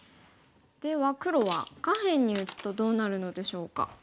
では黒は下辺に打つとどうなるのでしょうか？